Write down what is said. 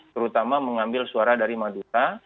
terutama mengambil suara dari madura